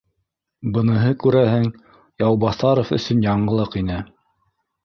Быныһы, күрәһең, Яубаҫаров өсөн яңылыҡ ине